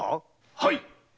はい！